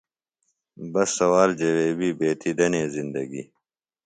بس سوال جویبیۡ بیتیۡ دنے زندگی۔